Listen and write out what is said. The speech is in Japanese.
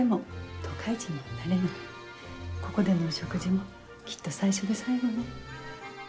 ここでのお食事もきっと最初で最後ね。